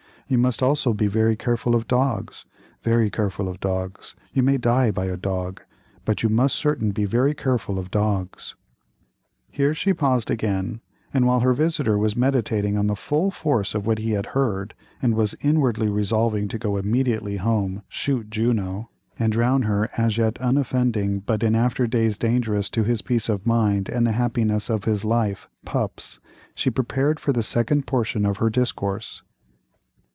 You must also be very careful of dogs, very careful of dogs, you may die by a dog, but you must certain be very careful of dogs." Here she paused again, and while her visitor was meditating on the full force of what he had heard, and was inwardly resolving to go immediately home, shoot Juno, and drown her as yet unoffending but in after days dangerous to his peace of mind and the happiness of his life pups, she prepared for the second portion of her discourse.